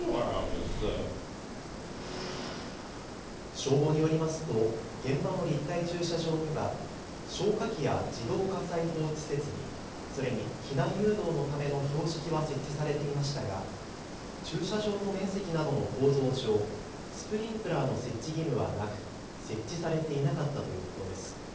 消防によりますと現場の立体駐車場には消火器や自動火災報知設備、それに避難誘導のための標識は設置されていましたが駐車場の面積などの構造上、スプリンクラーの設置義務はなく設置されていなかったということです。